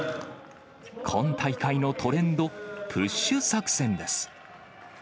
今大会のトレンド、プッシュ作戦です。